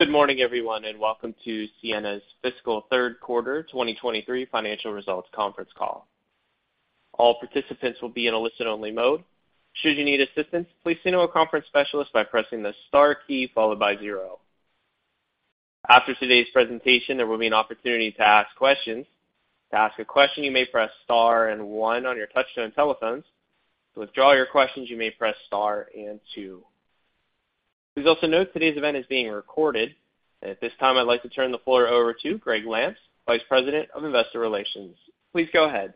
Good morning, everyone, and welcome to Ciena's fiscal third quarter 2023 financial results conference call. All participants will be in a listen-only mode. Should you need assistance, please speak to a conference specialist by pressing the star key, followed by zero. After today's presentation, there will be an opportunity to ask questions. To ask a question, you may press Star and One on your touchtone telephones. To withdraw your questions, you may press Star and Two. Please also note today's event is being recorded. At this time, I'd like to turn the floor over to Gregg Lampf, Vice President of Investor Relations. Please go ahead.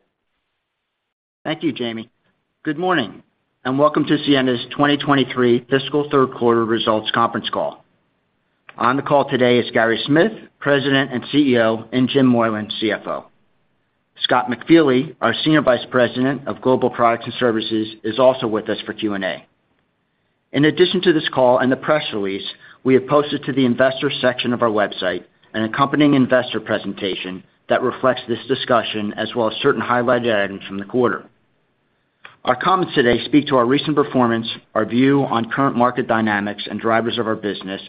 Thank you, Jamie. Good morning, and welcome to Ciena's 2023 fiscal third quarter results conference call. On the call today is Gary Smith, President and CEO, and Jim Moylan, CFO. Scott McFeely, our Senior Vice President of Global Products and Services, is also with us for Q&A. In addition to this call and the press release, we have posted to the investor section of our website, an accompanying investor presentation that reflects this discussion, as well as certain highlighted items from the quarter. Our comments today speak to our recent performance, our view on current market dynamics and drivers of our business,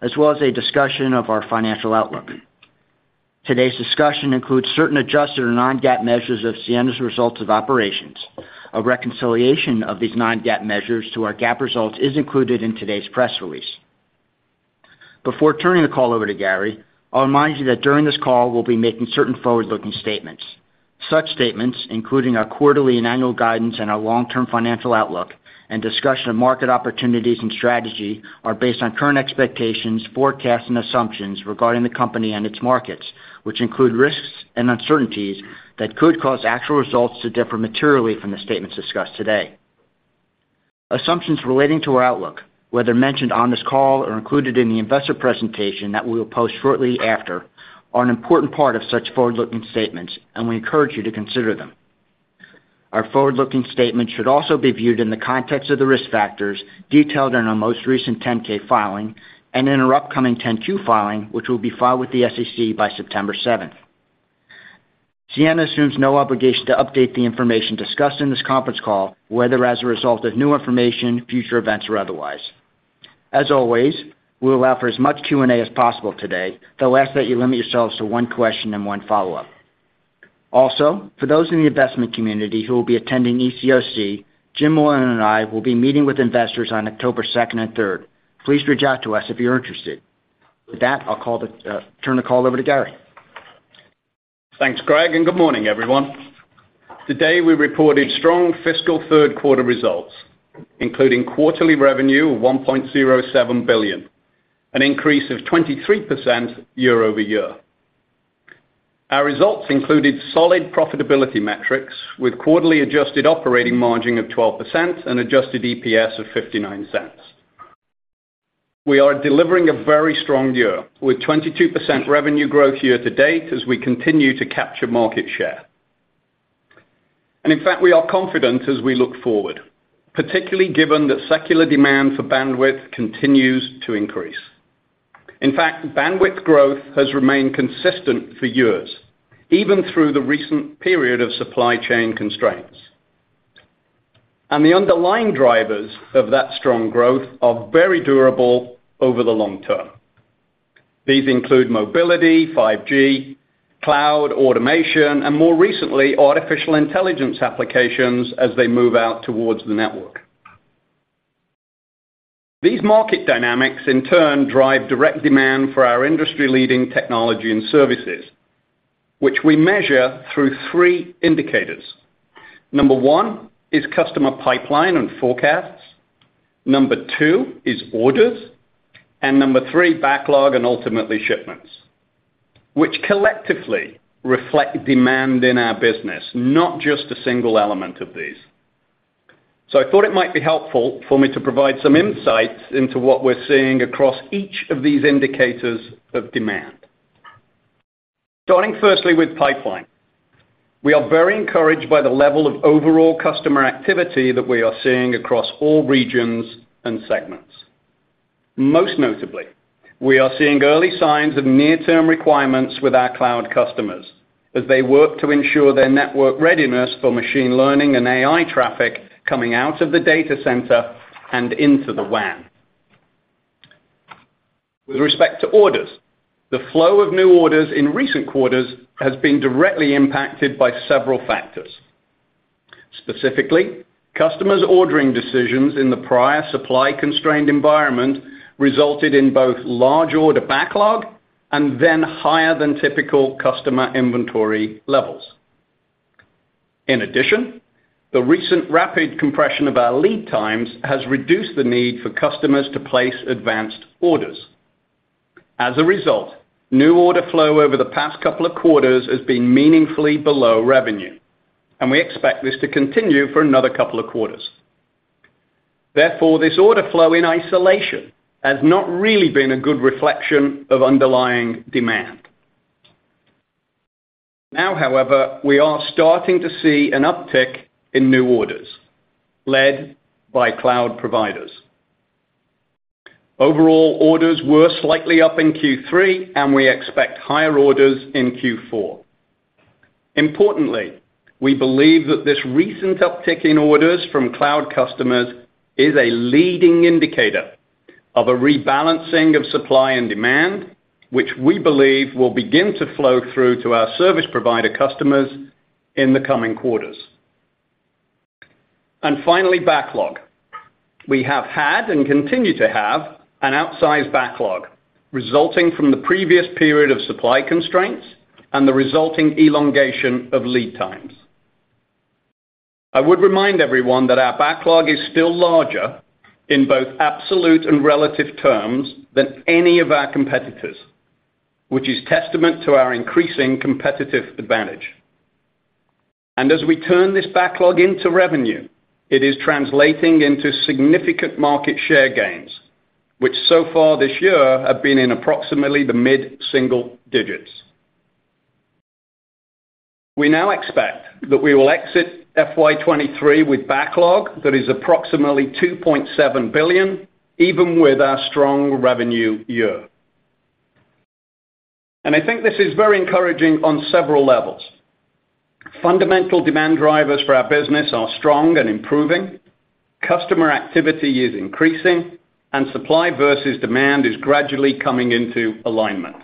as well as a discussion of our financial outlook. Today's discussion includes certain adjusted and non-GAAP measures of Ciena's results of operations. A reconciliation of these non-GAAP measures to our GAAP results is included in today's press release. Before turning the call over to Gary, I'll remind you that during this call, we'll be making certain forward-looking statements. Such statements, including our quarterly and annual guidance and our long-term financial outlook and discussion of market opportunities and strategy, are based on current expectations, forecasts, and assumptions regarding the company and its markets, which include risks and uncertainties that could cause actual results to differ materially from the statements discussed today. Assumptions relating to our outlook, whether mentioned on this call or included in the investor presentation that we will post shortly after, are an important part of such forward-looking statements, and we encourage you to consider them. Our forward-looking statement should also be viewed in the context of the risk factors detailed in our most recent 10-K filing and in our upcoming 10-Q filing, which will be filed with the SEC by September seventh. Ciena assumes no obligation to update the information discussed in this conference call, whether as a result of new information, future events, or otherwise. As always, we'll allow for as much Q&A as possible today, though I ask that you limit yourselves to one question and one follow-up. Also, for those in the investment community who will be attending ECOC, Jim Moylan and I will be meeting with investors on October second and third. Please reach out to us if you're interested. With that, I'll turn the call over to Gary. Thanks, Gregg, and good morning, everyone. Today, we reported strong fiscal third quarter results, including quarterly revenue of $1.07 billion, an increase of 23% year-over-year. Our results included solid profitability metrics, with quarterly adjusted operating margin of 12% and adjusted EPS of $0.59. We are delivering a very strong year, with 22% revenue growth year to date as we continue to capture market share. In fact, we are confident as we look forward, particularly given that secular demand for bandwidth continues to increase. In fact, bandwidth growth has remained consistent for years, even through the recent period of supply chain constraints. The underlying drivers of that strong growth are very durable over the long term. These include mobility, 5G, cloud, automation, and more recently, artificial intelligence applications as they move out towards the network. These market dynamics, in turn, drive direct demand for our industry-leading technology and services, which we measure through three indicators. Number 1 is customer pipeline and forecasts, number 2 is orders, and number 3, backlog and ultimately shipments, which collectively reflect demand in our business, not just a single element of these. So I thought it might be helpful for me to provide some insights into what we're seeing across each of these indicators of demand. Starting firstly with pipeline. We are very encouraged by the level of overall customer activity that we are seeing across all regions and segments. Most notably, we are seeing early signs of near-term requirements with our cloud customers as they work to ensure their network readiness for Machine Learning and AI traffic coming out of the data center and into the WAN. With respect to orders, the flow of new orders in recent quarters has been directly impacted by several factors. Specifically, customers' ordering decisions in the prior supply-constrained environment resulted in both large order backlog and then higher than typical customer inventory levels. In addition, the recent rapid compression of our lead times has reduced the need for customers to place advanced orders. As a result, new order flow over the past couple of quarters has been meaningfully below revenue, and we expect this to continue for another couple of quarters. Therefore, this order flow in isolation has not really been a good reflection of underlying demand. Now, however, we are starting to see an uptick in new orders led by cloud providers. Overall, orders were slightly up in Q3, and we expect higher orders in Q4. Importantly, we believe that this recent uptick in orders from cloud customers is a leading indicator of a rebalancing of supply and demand, which we believe will begin to flow through to our service provider customers in the coming quarters. And finally, backlog. We have had and continue to have an outsized backlog, resulting from the previous period of supply constraints and the resulting elongation of lead times. I would remind everyone that our backlog is still larger in both absolute and relative terms than any of our competitors, which is testament to our increasing competitive advantage. And as we turn this backlog into revenue, it is translating into significant market share gains, which so far this year have been in approximately the mid-single digits. We now expect that we will exit FY 2023 with backlog that is approximately $2.7 billion, even with our strong revenue year. I think this is very encouraging on several levels. Fundamental demand drivers for our business are strong and improving, customer activity is increasing, and supply versus demand is gradually coming into alignment.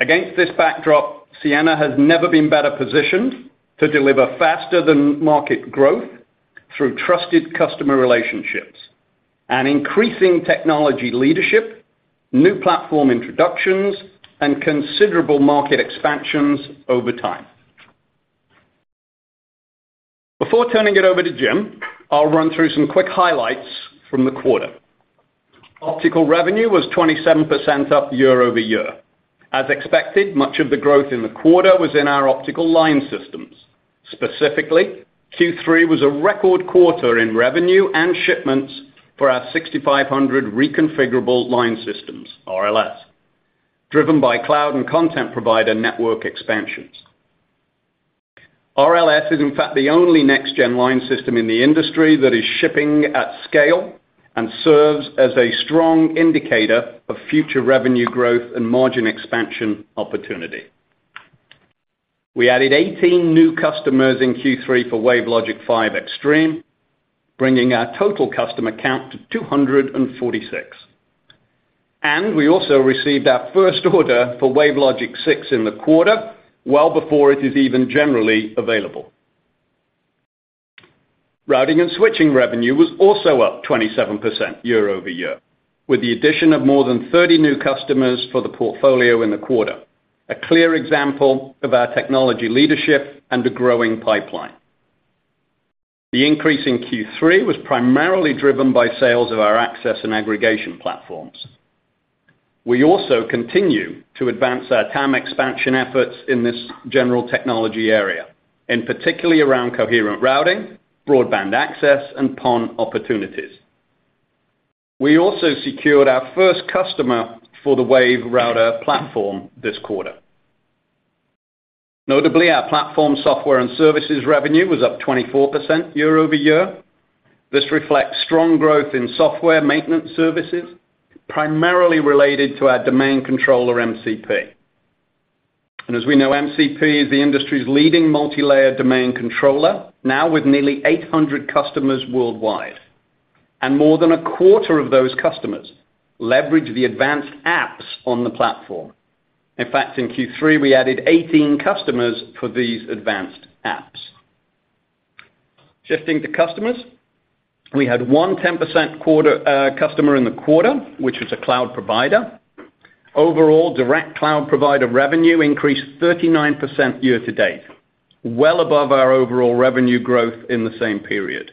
Against this backdrop, Ciena has never been better positioned to deliver faster-than-market growth through trusted customer relationships and increasing technology leadership, new platform introductions, and considerable market expansions over time. Before turning it over to Jim, I'll run through some quick highlights from the quarter. Optical revenue was 27% up year-over-year. As expected, much of the growth in the quarter was in our optical line systems. Specifically, Q3 was a record quarter in revenue and shipments for our 6500 Reconfigurable Line Systems, RLS, driven by cloud and content provider network expansions. RLS is, in fact, the only next-gen line system in the industry that is shipping at scale and serves as a strong indicator of future revenue growth and margin expansion opportunity. We added 18 new customers in Q3 for WaveLogic 5 Extreme, bringing our total customer count to 246. And we also received our first order for WaveLogic 6 in the quarter, well before it is even generally available. Routing and Switching revenue was also up 27% year-over-year, with the addition of more than 30 new customers for the portfolio in the quarter, a clear example of our technology leadership and a growing pipeline. The increase in Q3 was primarily driven by sales of our access and aggregation platforms. We also continue to advance our TAM expansion efforts in this general technology area, and particularly around coherent routing, broadband access, and PON opportunities. We also secured our first customer for the WaveRouter platform this quarter. Notably, our platform software and services revenue was up 24% year-over-year. This reflects strong growth in software maintenance services, primarily related to our domain controller, MCP. As we know, MCP is the industry's leading multilayer domain controller, now with nearly 800 customers worldwide, and more than a quarter of those customers leverage the advanced apps on the platform. In fact, in Q3, we added 18 customers for these advanced apps. Shifting to customers, we had one 10% customer in the quarter, which was a cloud provider. Overall, direct cloud provider revenue increased 39% year-to-date, well above our overall revenue growth in the same period.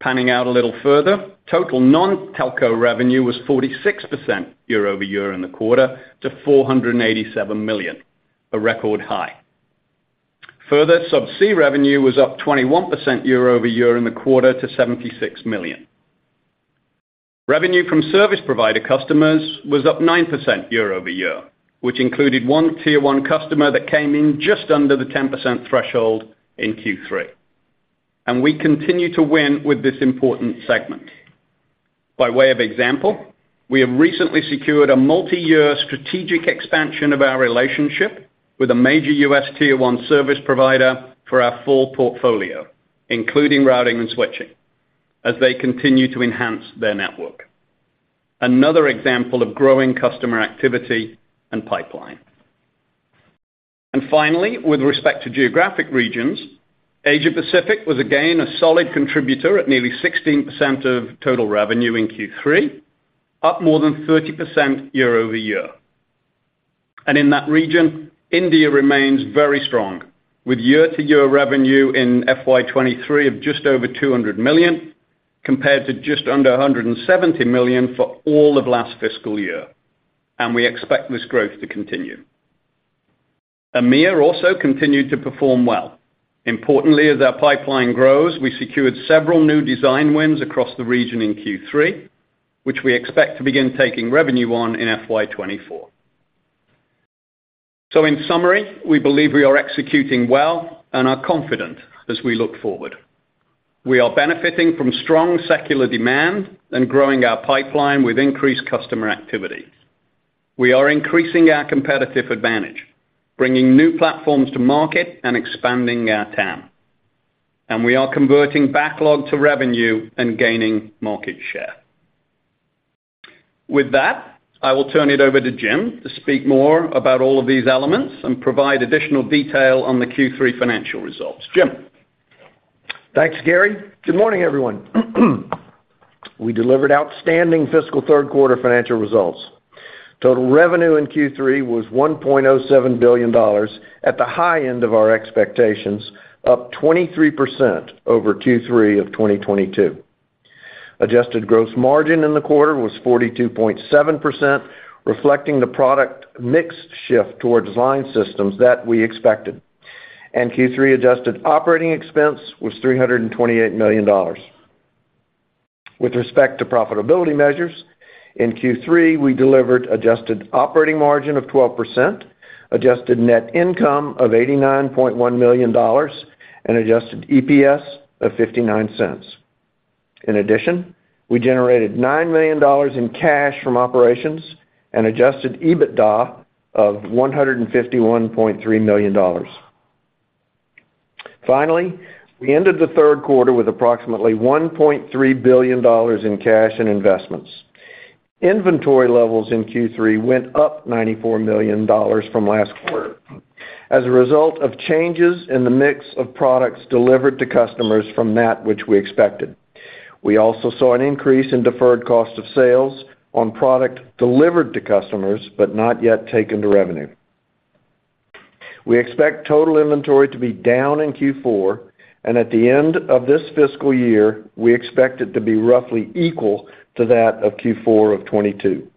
Panning out a little further, total non-telco revenue was 46% year-over-year in the quarter to $487 million, a record high. Further, subsea revenue was up 21% year-over-year in the quarter to $76 million. Revenue from service provider customers was up 9% year-over-year, which included one Tier One customer that came in just under the 10% threshold in Q3. And we continue to win with this important segment. By way of example, we have recently secured a multiyear strategic expansion of our relationship with a major U.S. Tier One service provider for our full portfolio, including routing and switching, as they continue to enhance their network. Another example of growing customer activity and pipeline. Finally, with respect to geographic regions, Asia Pacific was again a solid contributor at nearly 16% of total revenue in Q3, up more than 30% year-over-year. In that region, India remains very strong, with year-over-year revenue in FY 2023 of just over $200 million, compared to just under $170 million for all of last fiscal year. We expect this growth to continue. EMEA also continued to perform well. Importantly, as our pipeline grows, we secured several new design wins across the region in Q3, which we expect to begin taking revenue on in FY 2024. In summary, we believe we are executing well and are confident as we look forward. We are benefiting from strong secular demand and growing our pipeline with increased customer activity. We are increasing our competitive advantage, bringing new platforms to market and expanding our TAM. And we are converting backlog to revenue and gaining market share. With that, I will turn it over to Jim to speak more about all of these elements and provide additional detail on the Q3 financial results. Jim? Thanks, Gary. Good morning, everyone. We delivered outstanding fiscal third quarter financial results. Total revenue in Q3 was $1.07 billion, at the high end of our expectations, up 23% over Q3 of 2022. Adjusted gross margin in the quarter was 42.7%, reflecting the product mix shift towards line systems that we expected. Q3 adjusted operating expense was $328 million. With respect to profitability measures, in Q3, we delivered adjusted operating margin of 12%, adjusted net income of $89.1 million, and adjusted EPS of $0.59. In addition, we generated $9 million in cash from operations and adjusted EBITDA of $151.3 million. Finally, we ended the third quarter with approximately $1.3 billion in cash and investments. Inventory levels in Q3 went up $94 million from last quarter as a result of changes in the mix of products delivered to customers from that which we expected. We also saw an increase in deferred cost of sales on product delivered to customers, but not yet taken to revenue. We expect total inventory to be down in Q4, and at the end of this fiscal year, we expect it to be roughly equal to that of Q4 of 2022.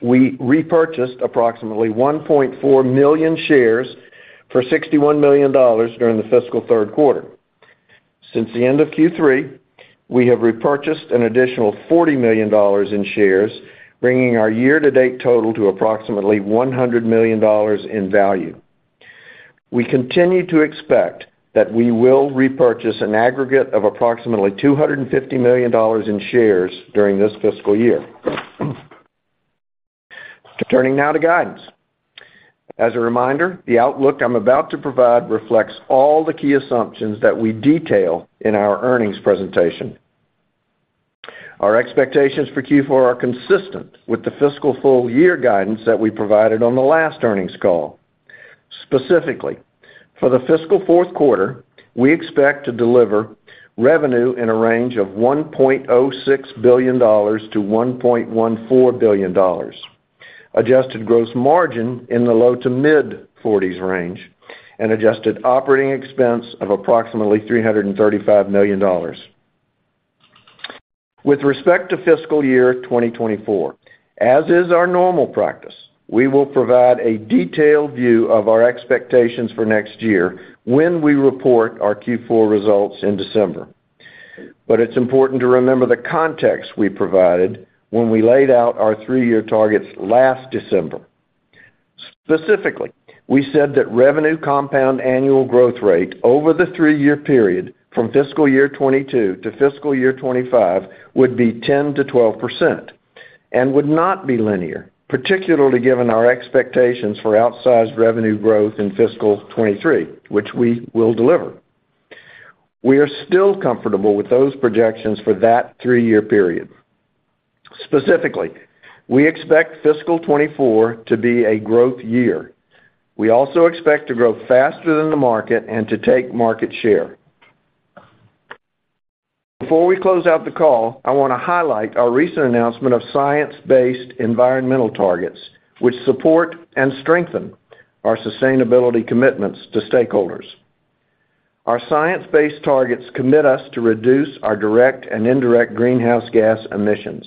We repurchased approximately 1.4 million shares for $61 million during the fiscal third quarter. Since the end of Q3, we have repurchased an additional $40 million in shares, bringing our year-to-date total to approximately $100 million in value. We continue to expect that we will repurchase an aggregate of approximately $250 million in shares during this fiscal year. Turning now to guidance. As a reminder, the outlook I'm about to provide reflects all the key assumptions that we detail in our earnings presentation. Our expectations for Q4 are consistent with the fiscal full year guidance that we provided on the last earnings call. Specifically, for the fiscal fourth quarter, we expect to deliver revenue in a range of $1.06 billion-$1.14 billion, adjusted gross margin in the low to mid-forties range, and adjusted operating expense of approximately $335 million. With respect to fiscal year 2024, as is our normal practice, we will provide a detailed view of our expectations for next year when we report our Q4 results in December. But it's important to remember the context we provided when we laid out our three-year targets last December. Specifically, we said that revenue compound annual growth rate over the three-year period from fiscal year 2022 to fiscal year 2025 would be 10%-12% and would not be linear, particularly given our expectations for outsized revenue growth in fiscal 2023, which we will deliver. We are still comfortable with those projections for that three-year period. Specifically, we expect fiscal 2024 to be a growth year. We also expect to grow faster than the market and to take market share. Before we close out the call, I want to highlight our recent announcement of science-based environmental targets, which support and strengthen our sustainability commitments to stakeholders. Our science-based targets commit us to reduce our direct and indirect greenhouse gas emissions.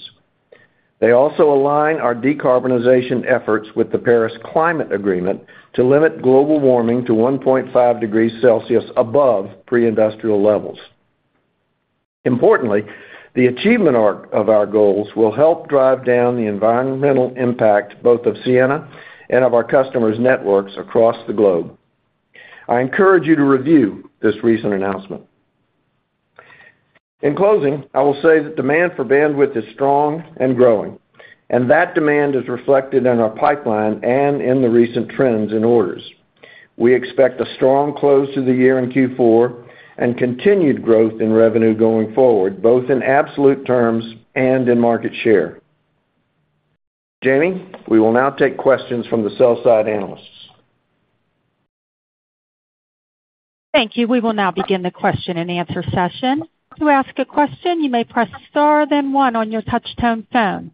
They also align our decarbonization efforts with the Paris Climate Agreement to limit global warming to 1.5 degrees Celsius above pre-industrial levels. Importantly, the achievement of our goals will help drive down the environmental impact, both of Ciena and of our customers' networks across the globe. I encourage you to review this recent announcement. In closing, I will say that demand for bandwidth is strong and growing, and that demand is reflected in our pipeline and in the recent trends in orders. We expect a strong close to the year in Q4 and continued growth in revenue going forward, both in absolute terms and in market share. Jamie, we will now take questions from the sell-side analysts. Thank you. We will now begin the question-and-answer session. To ask a question, you may press star then one on your touchtone phone.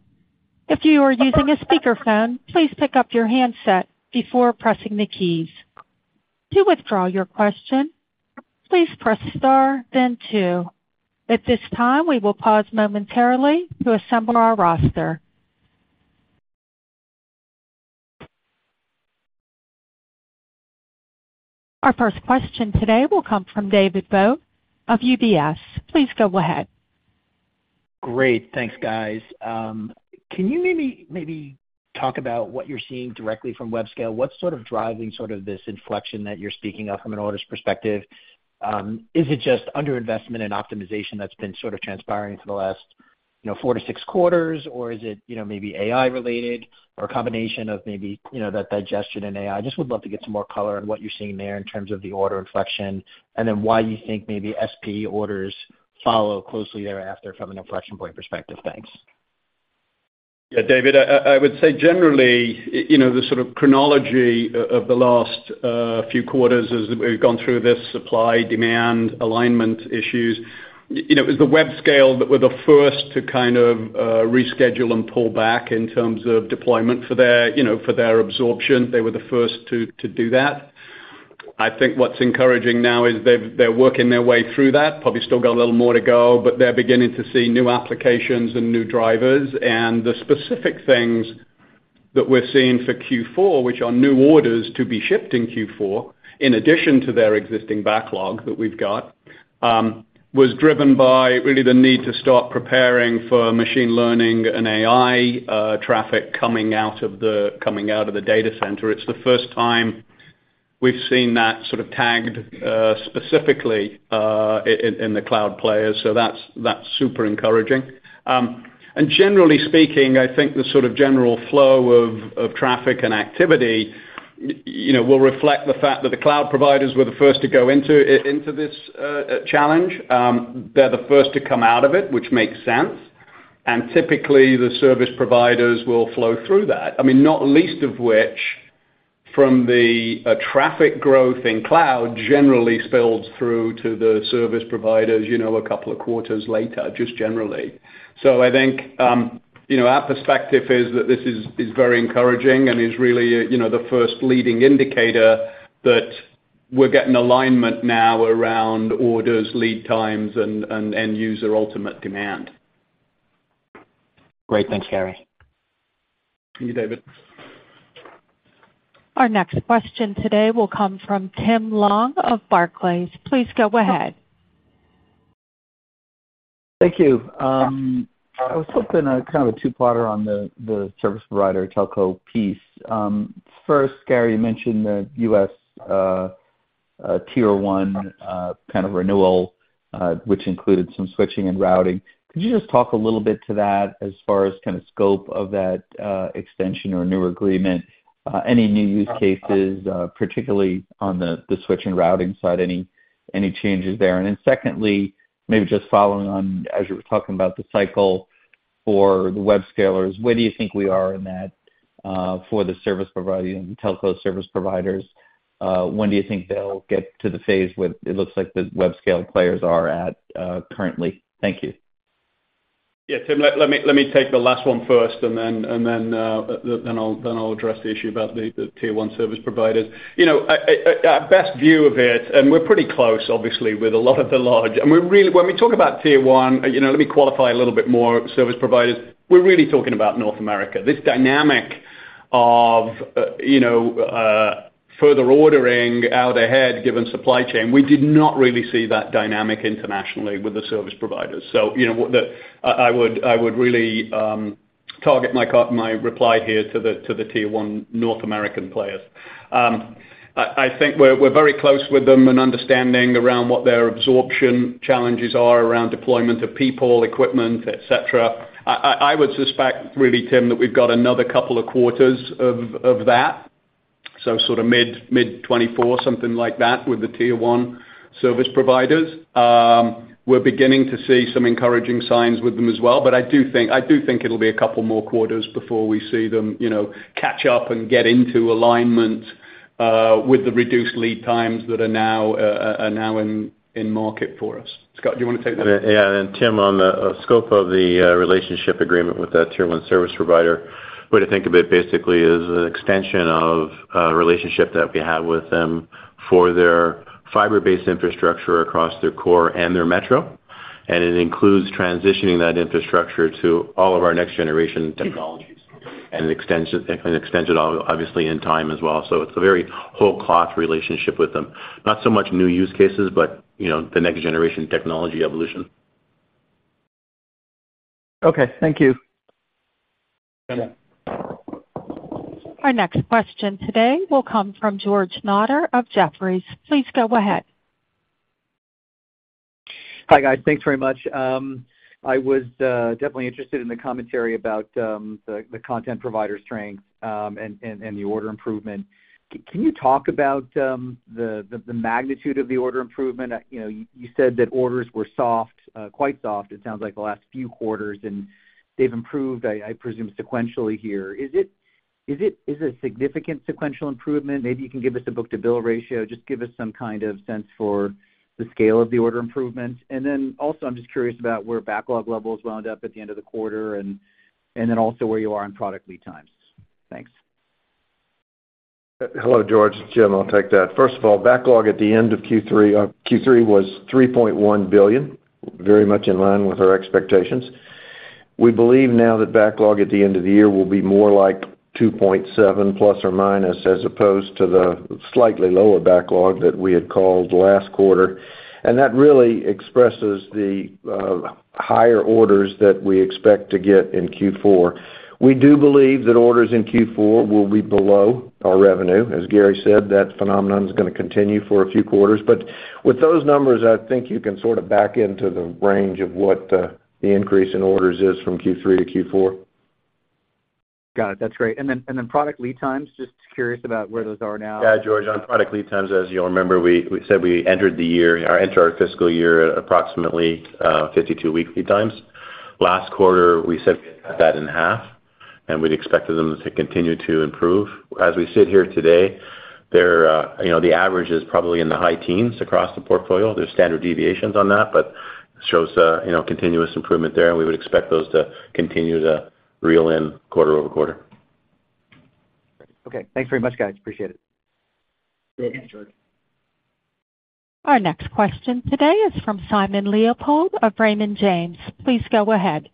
If you are using a speakerphone, please pick up your handset before pressing the keys. To withdraw your question, please press star then two. At this time, we will pause momentarily to assemble our roster. Our first question today will come from David Vogt of UBS. Please go ahead. Great, thanks, guys. Can you maybe, maybe talk about what you're seeing directly from web scale? What's sort of driving sort of this inflection that you're speaking of from an orders perspective? Is it just underinvestment and optimization that's been sort of transpiring for the last, you know, four to six quarters, or is it, you know, maybe AI related or a combination of maybe, you know, that digestion and AI? I just would love to get some more color on what you're seeing there in terms of the order inflection, and then why you think maybe SP orders follow closely thereafter from an inflection point perspective. Thanks. Yeah, David, I would say generally, you know, the sort of chronology of the last few quarters as we've gone through this supply-demand alignment issues, you know, is the web scale that were the first to kind of reschedule and pull back in terms of deployment for their, you know, for their absorption. They were the first to do that. I think what's encouraging now is they've—they're working their way through that. Probably still got a little more to go, but they're beginning to see new applications and new drivers. The specific things that we're seeing for Q4, which are new orders to be shipped in Q4, in addition to their existing backlog that we've got, was driven by really the need to start preparing for machine learning and AI traffic coming out of the data center. It's the first time we've seen that sort of tagged specifically in the cloud players, so that's super encouraging. And generally speaking, I think the sort of general flow of traffic and activity, you know, will reflect the fact that the cloud providers were the first to go into this challenge. They're the first to come out of it, which makes sense. And typically, the service providers will flow through that. I mean, not least of which, from the traffic growth in cloud, generally spills through to the service providers, you know, a couple of quarters later, just generally. So I think, you know, our perspective is that this is very encouraging and is really, you know, the first leading indicator that we're getting alignment now around orders, lead times and end user ultimate demand. Great. Thanks, Gary. Thank you, David. Our next question today will come from Tim Long of Barclays. Please go ahead. Thank you. I was hoping, kind of a two-parter on the, the service provider telco piece. First, Gary, you mentioned the U.S., Tier One, kind of renewal, which included some switching and routing. Could you just talk a little bit to that as far as kind of scope of that, extension or new agreement, any new use cases, particularly on the, the switch and routing side, any changes there? And then secondly, maybe just following on as you were talking about the cycle for the web scalers, where do you think we are in that, for the service provider and telco service providers? When do you think they'll get to the phase where it looks like the web scale players are at, currently? Thank you. Yeah, Tim, let me take the last one first, and then I'll address the issue about the Tier One service providers. You know, our best view of it, and we're pretty close, obviously, with a lot of the large... And we really—When we talk about Tier One, you know, let me qualify a little bit more service providers. We're really talking about North America. This dynamic of, you know, further ordering out ahead, given supply chain, we did not really see that dynamic internationally with the service providers. So, you know, what the—I would really target my reply here to the Tier One North American players. I think we're very close with them and understanding around what their absorption challenges are around deployment of people, equipment, et cetera. I would suspect, really, Tim, that we've got another couple of quarters of that, so sort of mid-2024, something like that, with the Tier One service providers. We're beginning to see some encouraging signs with them as well, but I do think it'll be a couple more quarters before we see them, you know, catch up and get into alignment with the reduced lead times that are now in market for us. Scott, do you want to take that? Yeah, and Tim, on the scope of the relationship agreement with that Tier One service provider, way to think of it basically is an extension of a relationship that we have with them for their fiber-based infrastructure across their core and their metro. And it includes transitioning that infrastructure to all of our next-generation technologies and an extension, and extends it obviously in time as well. So it's a very whole cloth relationship with them. Not so much new use cases, but, you know, the next-generation technology evolution. Okay, thank you. Yeah. Our next question today will come from George Notter of Jefferies. Please go ahead. Hi, guys. Thanks very much. I was definitely interested in the commentary about the content provider strength, and the order improvement. Can you talk about the magnitude of the order improvement? You know, you said that orders were soft, quite soft, it sounds like the last few quarters, and they've improved, I presume, sequentially here. Is it a significant sequential improvement? Maybe you can give us a book-to-bill ratio. Just give us some kind of sense for the scale of the order improvement. And then also, I'm just curious about where backlog levels wound up at the end of the quarter and then also where you are on product lead times. Thanks. Hello, George. Jim, I'll take that. First of all, backlog at the end of Q3 was $3.1 billion, very much in line with our expectations. We believe now that backlog at the end of the year will be more like 2.7 ±, as opposed to the slightly lower backlog that we had called last quarter. That really expresses the higher orders that we expect to get in Q4. We do believe that orders in Q4 will be below our revenue. As Gary said, that phenomenon is going to continue for a few quarters, but with those numbers, I think you can sort of back into the range of what the increase in orders is from Q3 to Q4. Got it. That's great. And then, and then product lead times, just curious about where those are now? Yeah, George, on product lead times, as you'll remember, we said we entered the year, or entered our fiscal year at approximately 52-week lead times. Last quarter, we said we cut that in half, and we'd expect them to continue to improve. As we sit here today, they're, you know, the average is probably in the high teens across the portfolio. There's standard deviations on that, but shows, you know, continuous improvement there, and we would expect those to continue to reel in quarter-over-quarter. Okay. Thanks very much, guys. Appreciate it. Thanks, George. Our next question today is from Simon Leopold of Raymond James. Please go ahead.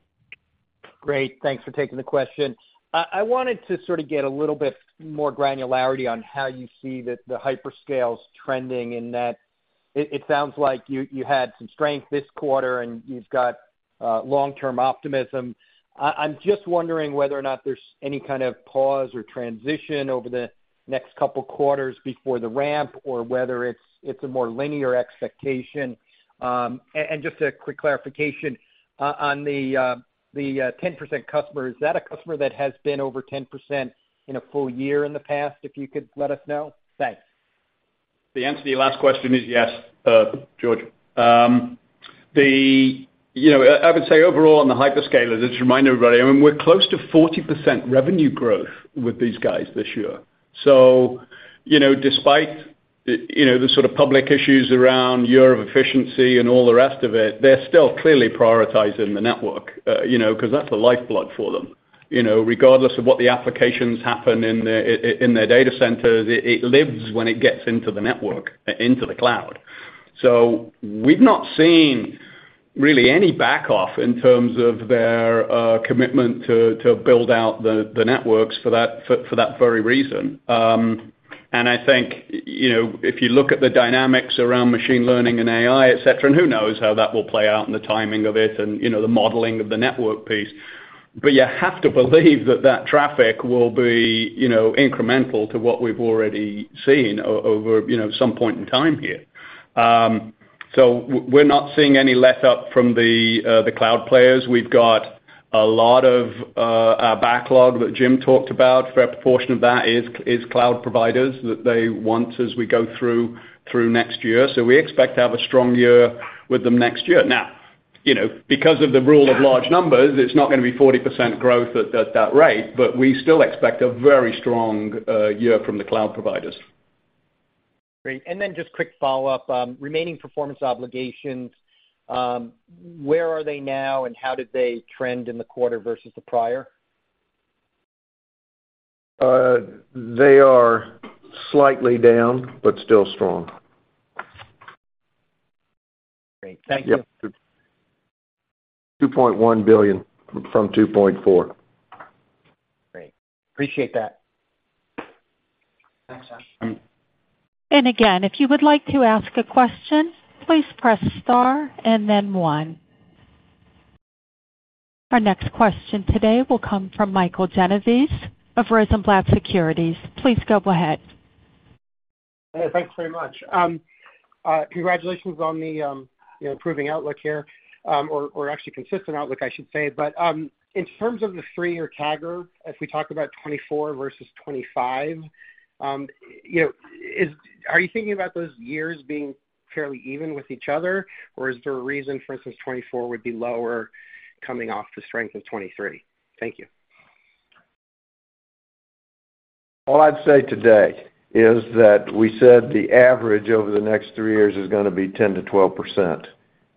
Great. Thanks for taking the question. I wanted to sort of get a little bit more granularity on how you see the hyperscales trending in that. It sounds like you had some strength this quarter, and you've got long-term optimism. I'm just wondering whether or not there's any kind of pause or transition over the next couple of quarters before the ramp, or whether it's a more linear expectation. And just a quick clarification on the 10% customer, is that a customer that has been over 10% in a full year in the past, if you could let us know? Thanks. The answer to your last question is yes, George. You know, I would say overall, on the hyperscalers, just to remind everybody, I mean, we're close to 40% revenue growth with these guys this year. So you know, despite the, you know, the sort of public issues around Year of efficiency and all the rest of it, they're still clearly prioritizing the network, you know, because that's a lifeblood for them. You know, regardless of what the applications happen in their, in their data centers, it lives when it gets into the network, into the cloud. So we've not seen really any back off in terms of their, commitment to build out the networks for that, for that very reason. And I think, you know, if you look at the dynamics around machine learning and AI, et cetera, and who knows how that will play out and the timing of it and, you know, the modeling of the network piece, but you have to believe that that traffic will be, you know, incremental to what we've already seen over, you know, some point in time here. So we're not seeing any letup from the cloud players. We've got a lot of backlog that Jim talked about. A fair proportion of that is cloud providers that they want as we go through next year. So we expect to have a strong year with them next year. Now, you know, because of the rule of large numbers, it's not going to be 40% growth at that, that rate, but we still expect a very strong year from the cloud providers. Great. Then just quick follow-up. Remaining performance obligations, where are they now, and how did they trend in the quarter versus the prior? They are slightly down, but still strong. Great. Thank you. $2.1 billion from $2.4 billion. Great. Appreciate that. Thanks, Ash. And again, if you would like to ask a question, please press star and then one. Our next question today will come from Michael Genovese of Rosenblatt Securities. Please go ahead. Thanks very much. Congratulations on the, you know, improving outlook here, or, or actually consistent outlook, I should say. In terms of the three-year CAGR, as we talk about 2024 versus 2025, you know, is—are you thinking about those years being fairly even with each other? Or is there a reason, for instance, 2024 would be lower coming off the strength of 2023? Thank you. All I'd say today is that we said the average over the next three years is going to be 10%-12%,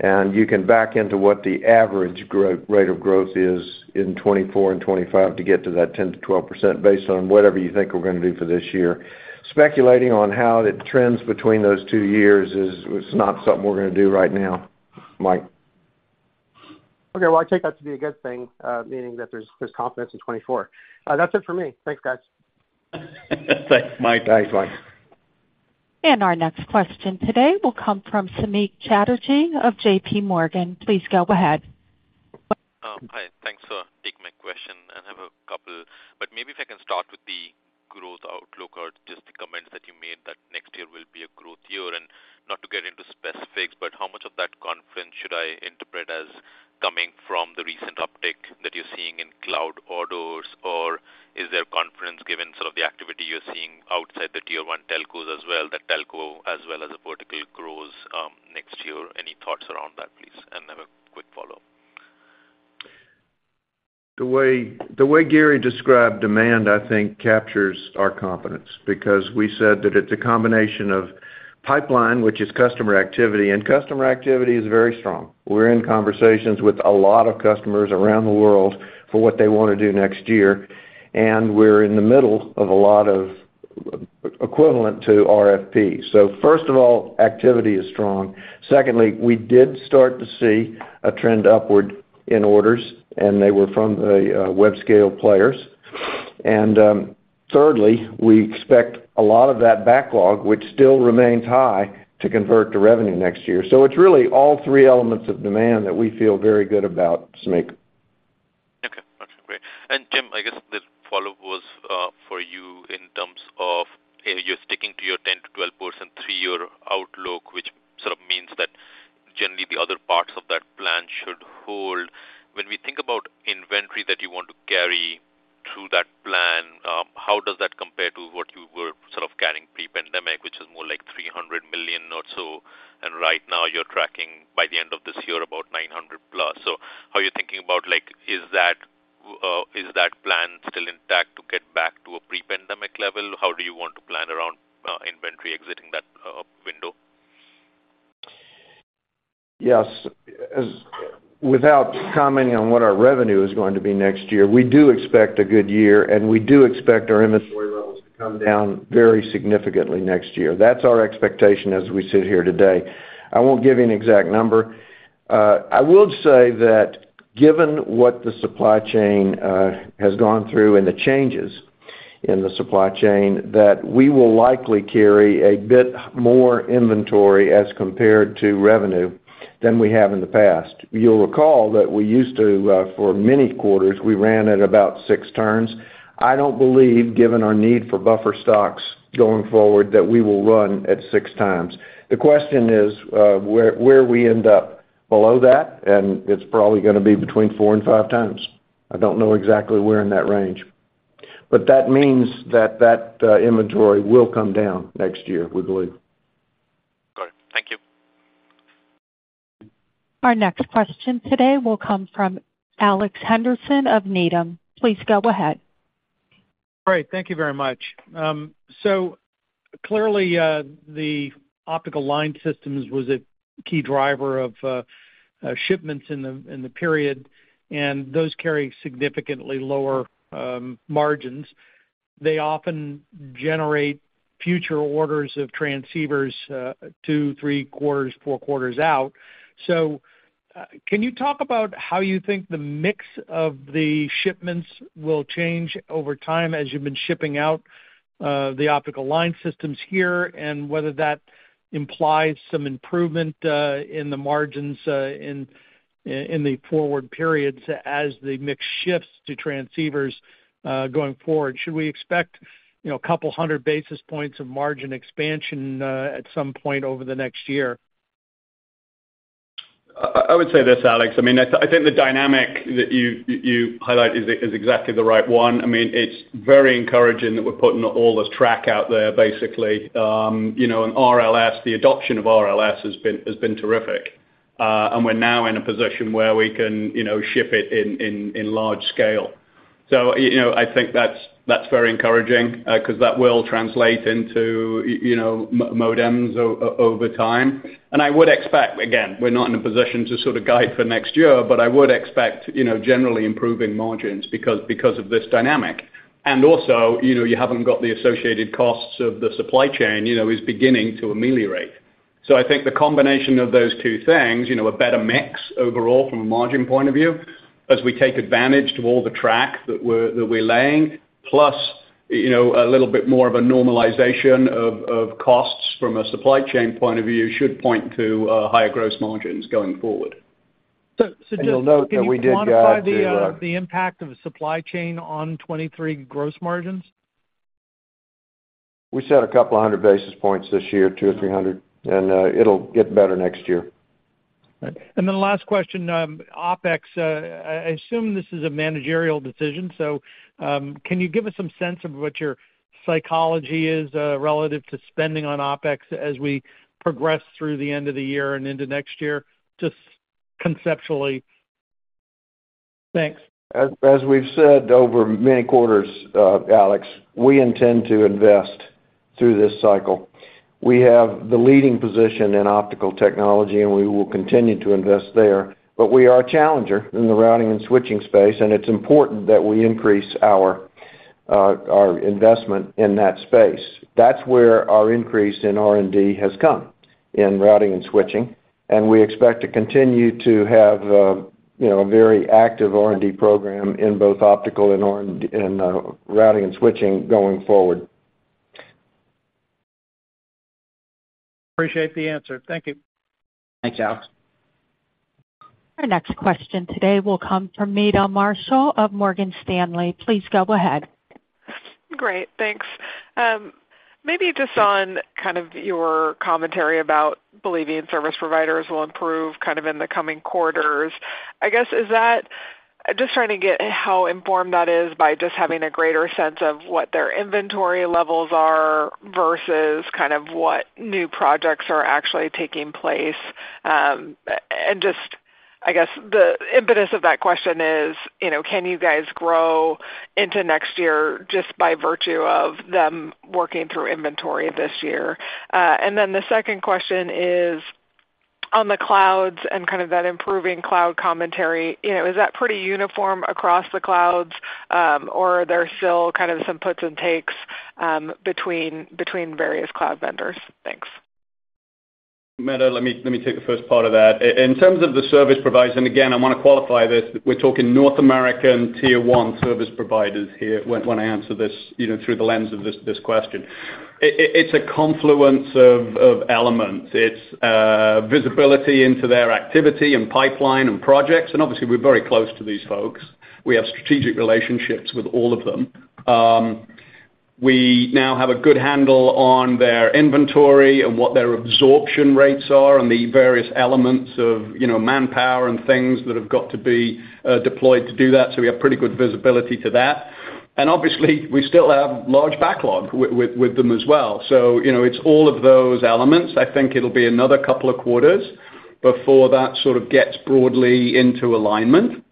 and you can back into what the average growth rate is in 2024 and 2025 to get to that 10%-12% based on whatever you think we're going to do for this year. Speculating on how it trends between those two years is not something we're going to do right now, Mike. Okay, well, I take that to be a good thing, meaning that there's confidence in 2024. That's it for me. Thanks, guys. Thanks, Mike. Thanks, Mike. Our next question today will come from Samik Chatterjee of J.P. Morgan. Please go ahead. Hi, thanks for taking my question, and I have a couple. But maybe if I can start with the growth outlook or just the comments that you made that next year will be a growth year. And not to get into specifics, but how much of that confidence should I interpret as coming from the recent uptick that you're seeing in cloud orders, or is there confidence given sort of the activity you're seeing outside the Tier 1 telcos as well, that telco as well as a vertical grows next year? Any thoughts around that, please? And I have a quick follow-up. The way, the way Gary described demand, I think, captures our confidence because we said that it's a combination of pipeline, which is customer activity, and customer activity is very strong. We're in conversations with a lot of customers around the world for what they want to do next year, and we're in the middle of a lot of- equivalent to RFP. So first of all, activity is strong. Secondly, we did start to see a trend upward in orders, and they were from the web-scale players. And thirdly, we expect a lot of that backlog, which still remains high, to convert to revenue next year. So it's really all three elements of demand that we feel very good about, Samik. Okay, got you. Great. And Tim, I guess this follow-up was for you in terms of, you're sticking to your 10%-12% three-year outlook, which sort of means that generally the other parts of that plan should hold. When we think about inventory that you want to carry through that plan, how does that compare to what you were sort of carrying pre-pandemic, which is more like $300 million or so, and right now, you're tracking by the end of this year, about $900+ million. So how are you thinking about like, is that plan still intact to get back to a pre-pandemic level? How do you want to plan around inventory exiting that window? Yes. As without commenting on what our revenue is going to be next year, we do expect a good year, and we do expect our inventory levels to come down very significantly next year. That's our expectation as we sit here today. I won't give you an exact number. I will say that given what the supply chain has gone through and the changes in the supply chain, that we will likely carry a bit more inventory as compared to revenue than we have in the past. You'll recall that we used to, for many quarters, we ran at about six turns. I don't believe, given our need for buffer stocks going forward, that we will run at six times. The question is, where we end up below that, and it's probably going to be between four and five times. I don't know exactly where in that range. But that means that that, inventory will come down next year, we believe. Got it. Thank you. Our next question today will come from Alex Henderson of Needham. Please go ahead. Great. Thank you very much. So clearly, the optical line systems was a key driver of shipments in the period, and those carry significantly lower margins. They often generate future orders of transceivers, two, three quarters, four quarters out. So, can you talk about how you think the mix of the shipments will change over time as you've been shipping out the optical line systems here, and whether that implies some improvement in the margins in the forward periods as the mix shifts to transceivers going forward? Should we expect, you know, a couple hundred basis points of margin expansion at some point over the next year? I would say this, Alex. I mean, I think the dynamic that you highlight is exactly the right one. I mean, it's very encouraging that we're putting all this tech out there, basically. You know, and RLS, the adoption of RLS has been terrific. And we're now in a position where we can, you know, ship it in large scale. So, you know, I think that's very encouraging, because that will translate into, you know, modems over time. And I would expect, again, we're not in a position to sort of guide for next year, but I would expect, you know, generally improving margins because of this dynamic. And also, you know, you haven't got the associated costs of the supply chain, you know, is beginning to ameliorate. So I think the combination of those two things, you know, a better mix overall from a margin point of view, as we take advantage of all the track that we're laying, plus, you know, a little bit more of a normalization of costs from a supply chain point of view, should point to higher gross margins going forward. So, just- You'll note that we did guide to, Can you quantify the impact of the supply chain on 2023 gross margins? We set a couple of hundred basis points this year, 200 or 300, and it'll get better next year. Right. And then the last question, OpEx, I assume this is a managerial decision, so, can you give us some sense of what your psychology is, relative to spending on OpEx as we progress through the end of the year and into next year, just conceptually? Thanks. As we've said over many quarters, Alex, we intend to invest through this cycle. We have the leading position in optical technology, and we will continue to invest there. But we are a challenger in the Routing and Switching space, and it's important that we increase our investment in that space. That's where our increase in R&D has come, in Routing and Switching, and we expect to continue to have a, you know, a very active R&D program in both optical and R&D in Routing and Switching going forward. Appreciate the answer. Thank you. Thanks, Alex. Our next question today will come from Meta Marshall of Morgan Stanley. Please go ahead. Great, thanks. Maybe just on kind of your commentary about believing service providers will improve kind of in the coming quarters. I guess, is that, just trying to get how informed that is by just having a greater sense of what their inventory levels are versus kind of what new projects are actually taking place. And just, I guess, the impetus of that question is, you know, can you guys grow into next year just by virtue of them working through inventory this year? And then the second question is, on the clouds and kind of that improving cloud commentary, you know, is that pretty uniform across the clouds? Or are there still kind of some puts and takes, between various cloud vendors? Thanks. Meta, let me take the first part of that. In terms of the service providers, and again, I want to qualify this, we're talking North American Tier 1 service providers here when I answer this, you know, through the lens of this question. It's a confluence of elements. It's visibility into their activity and pipeline and projects, and obviously, we're very close to these folks. We have strategic relationships with all of them. We now have a good handle on their inventory and what their absorption rates are and the various elements of, you know, manpower and things that have got to be deployed to do that, so we have pretty good visibility to that. And obviously, we still have large backlog with them as well. So, you know, it's all of those elements. I think it'll be another couple of quarters before that sort of gets broadly into alignment.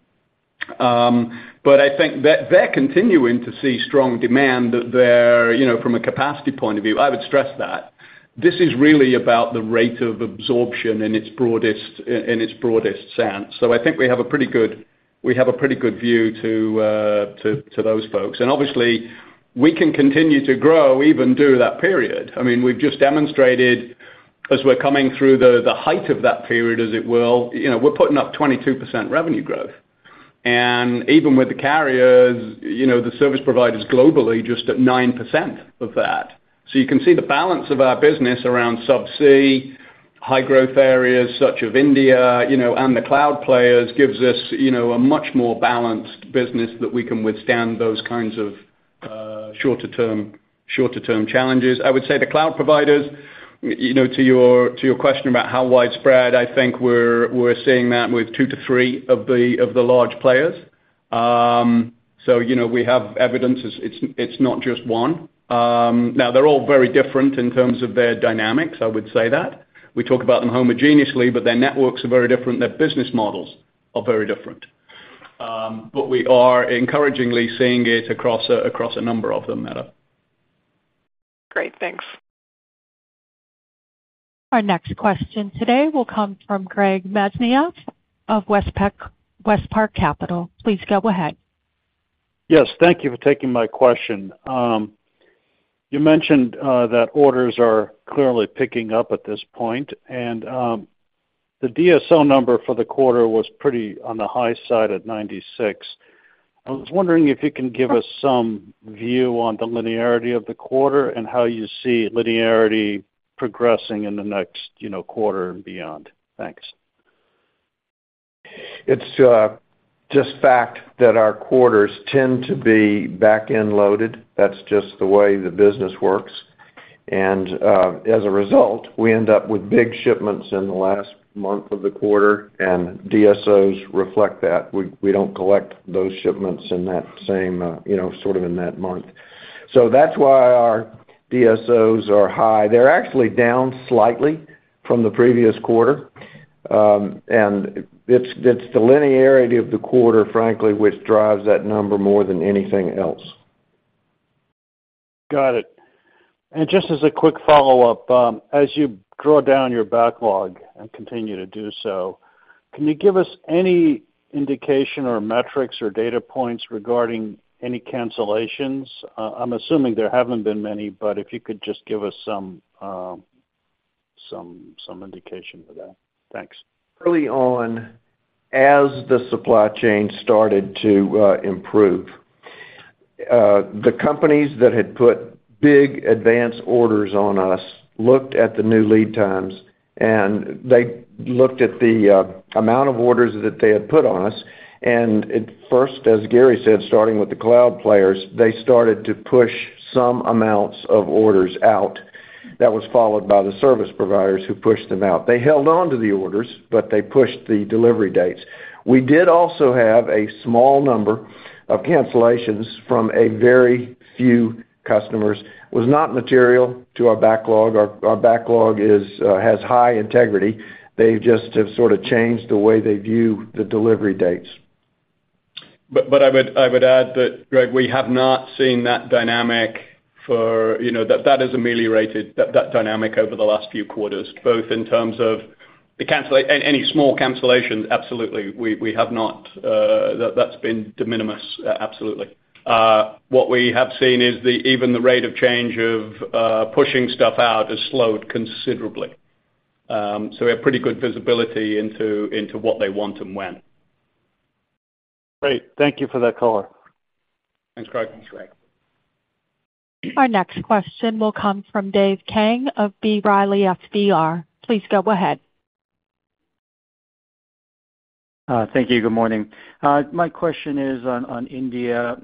But I think they're continuing to see strong demand there, you know, from a capacity point of view. I would stress that. This is really about the rate of absorption in its broadest sense. So I think we have a pretty good view to those folks. And obviously, we can continue to grow even through that period. I mean, we've just demonstrated, as we're coming through the height of that period, as it will, you know, we're putting up 22% revenue growth. And even with the carriers, you know, the service providers globally are just at 9% of that. So you can see the balance of our business around subsea, high growth areas such as India, you know, and the cloud players gives us, you know, a much more balanced business that we can withstand those kinds of shorter term, shorter term challenges. I would say the cloud providers, you know, to your, to your question about how widespread, I think we're seeing that with 2-3 of the large players. So, you know, we have evidence it's not just one. Now they're all very different in terms of their dynamics, I would say that. We talk about them homogeneously, but their networks are very different, their business models are very different. But we are encouragingly seeing it across a number of them, Meta. Great, thanks. Our next question today will come from Greg Mesniaeff of WestPark Capital. Please go ahead. Yes, thank you for taking my question. You mentioned that orders are clearly picking up at this point, and the DSO number for the quarter was pretty on the high side at 96. I was wondering if you can give us some view on the linearity of the quarter and how you see linearity progressing in the next, you know, quarter and beyond. Thanks. It's just fact that our quarters tend to be back-end loaded. That's just the way the business works. As a result, we end up with big shipments in the last month of the quarter, and DSOs reflect that. We don't collect those shipments in that same, you know, sort of in that month. So that's why our DSOs are high. They're actually down slightly from the previous quarter. And it's the linearity of the quarter, frankly, which drives that number more than anything else. Got it. And just as a quick follow-up, as you draw down your backlog and continue to do so, can you give us any indication or metrics or data points regarding any cancellations? I'm assuming there haven't been many, but if you could just give us some indication of that. Thanks. Early on, as the supply chain started to improve, the companies that had put big advance orders on us looked at the new lead times, and they looked at the amount of orders that they had put on us. At first, as Gary said, starting with the cloud players, they started to push some amounts of orders out. That was followed by the service providers who pushed them out. They held on to the orders, but they pushed the delivery dates. We did also have a small number of cancellations from a very few customers. It was not material to our backlog. Our backlog is has high integrity. They just have sort of changed the way they view the delivery dates. But I would add that, Greg, we have not seen that dynamic for... You know, that has ameliorated that dynamic over the last few quarters, both in terms of the cancellations, any small cancellations, absolutely, we have not, that's been de minimis, absolutely. What we have seen is even the rate of change of pushing stuff out has slowed considerably. So we have pretty good visibility into what they want and when. Great. Thank you for that color. Thanks, Greg. Our next question will come from Dave Kang of B. Riley Securities. Please go ahead. Thank you. Good morning. My question is on India.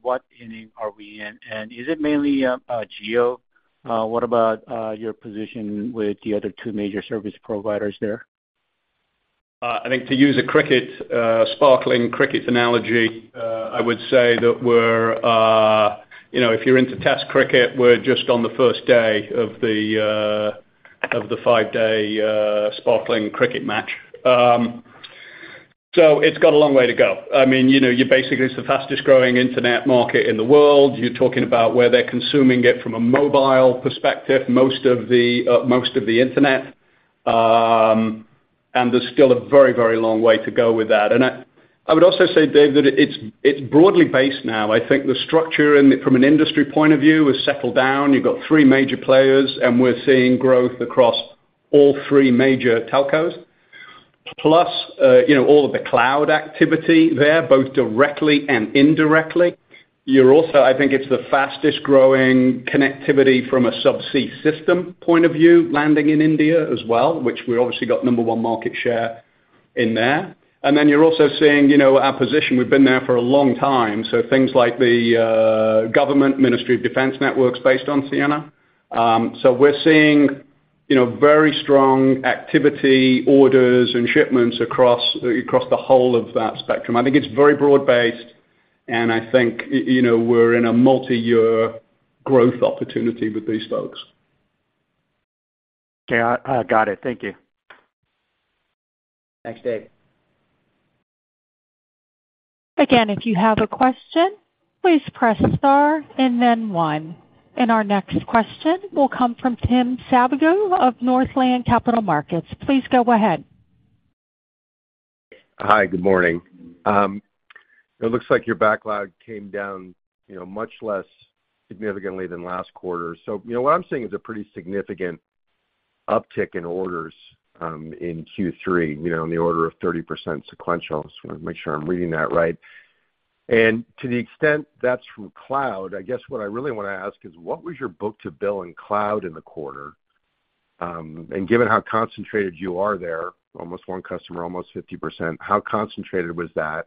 What inning are we in? And is it mainly Jio? What about your position with the other two major service providers there? I think to use a cricket, sparkling cricket analogy, I would say that we're, you know, if you're into test cricket, we're just on the first day of the five-day sparkling cricket match. So it's got a long way to go. I mean, you know, you're basically it's the fastest growing internet market in the world. You're talking about where they're consuming it from a mobile perspective, most of the, most of the internet. And there's still a very, very long way to go with that. And I would also say, Dave, that it's broadly based now. I think the structure in the, from an industry point of view, has settled down. You've got three major players, and we're seeing growth across all three major telcos. Plus, you know, all of the cloud activity there, both directly and indirectly. You're also, I think it's the fastest growing connectivity from a subsea system point of view, landing in India as well, which we obviously got number one market share in there. And then you're also seeing, you know, our position. We've been there for a long time, so things like the government Ministry of Defense networks based on Ciena. So we're seeing, you know, very strong activity, orders, and shipments across, across the whole of that spectrum. I think it's very broad-based, and I think, you know, we're in a multi-year growth opportunity with these folks. Okay, I got it. Thank you. Thanks, Dave. Again, if you have a question, please press star and then one. Our next question will come from Tim Savageaux of Northland Capital Markets. Please go ahead. Hi, good morning. It looks like your backlog came down, you know, much less significantly than last quarter. So, you know, what I'm seeing is a pretty significant uptick in orders, in Q3, you know, in the order of 30% sequential. I just wanna make sure I'm reading that right. And to the extent that's from cloud, I guess what I really wanna ask is: What was your book-to-bill in cloud in the quarter? And given how concentrated you are there, almost one customer, almost 50%, how concentrated was that?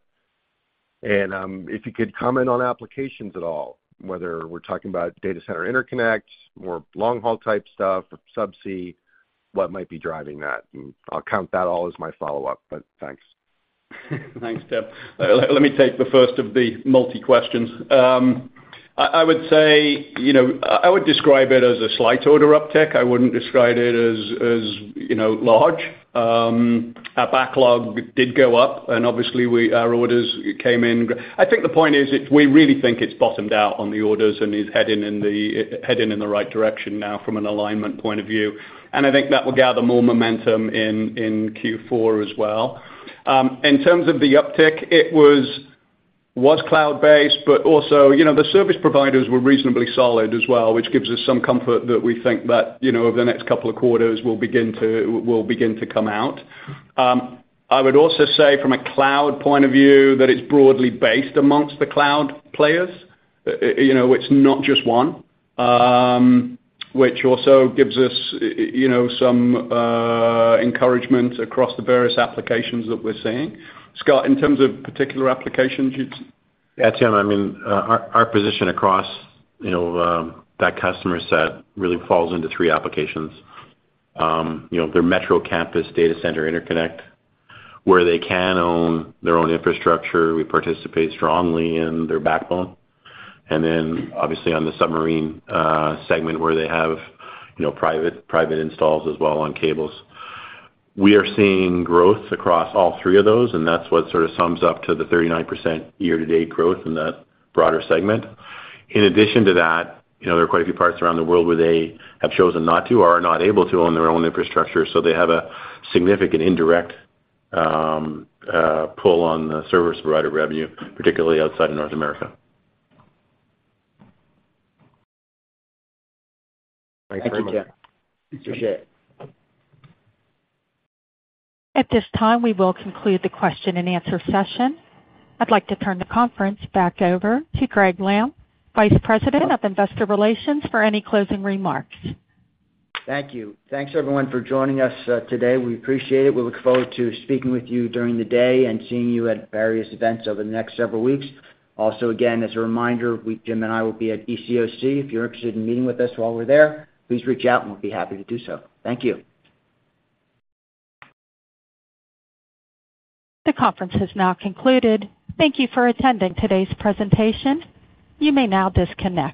And, if you could comment on applications at all, whether we're talking about data center interconnect or long-haul type stuff or subsea, what might be driving that? And I'll count that all as my follow-up, but thanks. Thanks, Tim. Let me take the first of the multi questions. I would say, you know, I would describe it as a slight order uptick. I wouldn't describe it as, you know, large. Our backlog did go up, and obviously we, our orders came in. I think the point is, it's, we really think it's bottomed out on the orders and is heading in the right direction now from an alignment point of view. And I think that will gather more momentum in Q4 as well. In terms of the uptick, it was cloud-based, but also, you know, the service providers were reasonably solid as well, which gives us some comfort that we think that, you know, over the next couple of quarters will begin to come out. I would also say from a cloud point of view, that it's broadly based amongst the cloud players. You know, it's not just one, which also gives us, you know, some encouragement across the various applications that we're seeing. Scott, in terms of particular applications, you'd- Yeah, Tim, I mean, our position across, you know, that customer set really falls into three applications. You know, their metro campus data center interconnect, where they can own their own infrastructure. We participate strongly in their backbone, and then, obviously, on the submarine segment, where they have, you know, private, private installs as well on cables. We are seeing growth across all three of those, and that's what sort of sums up to the 39% year-to-date growth in that broader segment. In addition to that, you know, there are quite a few parts around the world where they have chosen not to or are not able to own their own infrastructure, so they have a significant indirect pull on the service provider revenue, particularly outside of North America. Thank you, Tim. Appreciate it. At this time, we will conclude the question-and-answer session. I'd like to turn the conference back over to Gregg Lampf, Vice President of Investor Relations, for any closing remarks. Thank you. Thanks, everyone, for joining us, today. We appreciate it. We look forward to speaking with you during the day and seeing you at various events over the next several weeks. Also, again, as a reminder, we, Jim and I, will be at ECOC. If you're interested in meeting with us while we're there, please reach out, and we'll be happy to do so. Thank you. The conference has now concluded. Thank you for attending today's presentation. You may now disconnect.